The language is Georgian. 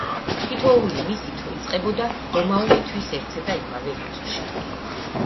თითოეული მისი თვე იწყებოდა რომაული თვის ერთსა და იმავე რიცხვში.